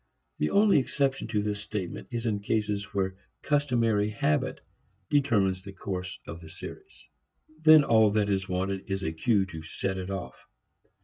The only exception to this statement is in cases where customary habit determines the course of the series. Then all that is wanted is a cue to set it off.